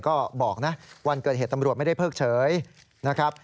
ก็บอกนะวันเกิดเหตุตำรวจไม่ได้เพิกเฉยนะครับ